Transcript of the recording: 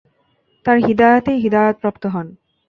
তাঁর হিদায়াতেই হিদায়াতপ্রাপ্ত হন।